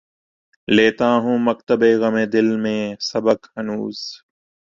لیتا ہوں مکتبِ غمِ دل میں سبق ہنوز